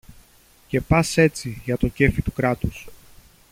Και πας έτσι, για το κέφι του Κράτους